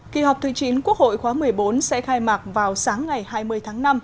kỳ họp thứ chín quốc hội khóa một mươi bốn sẽ khai mạc vào sáng ngày hai mươi tháng năm